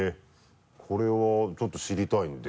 これはちょっと知りたいんで。